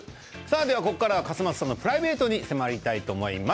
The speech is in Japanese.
ここからは笠松さんのプライベートに迫りたいと思います。